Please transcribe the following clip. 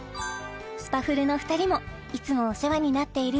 スパフルの２人もいつもお世話になっている